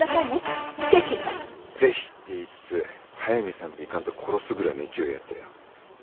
「ぜひ」って言いつつ速見さんと行かんと殺すぐらいの勢いやったよ。